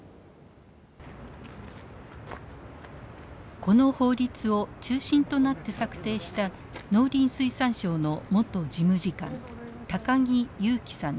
この法律を中心となって策定した農林水産省の元事務次官高木勇樹さんです。